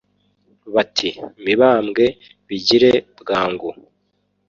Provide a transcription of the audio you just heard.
Bati « Mibambwe bigire bwangu